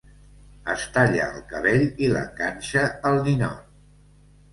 Es talla el cabell i l'enganxa al ninot.